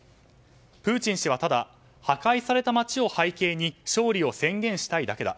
プーチン氏はただ破壊された町を背景に勝利を宣言したいだけだ。